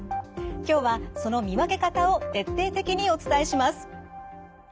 今日はその見分け方を徹底的にお伝えします。